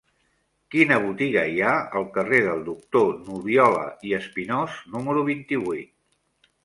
Quina botiga hi ha al carrer del Doctor Nubiola i Espinós número vint-i-vuit?